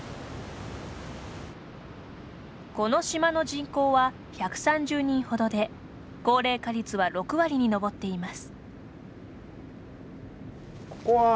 この島の人口は１３０人ほどで高齢化率は６割に上っています。